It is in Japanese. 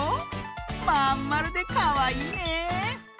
まんまるでかわいいね！